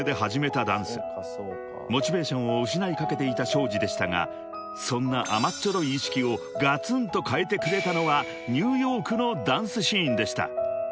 ［モチベーションを失いかけていたＳｈｏｊｉでしたがそんな甘っちょろい意識をガツンと変えてくれたのはニューヨークのダンスシーンでした］